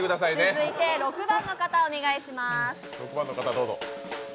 続いて、６番の方、お願いします。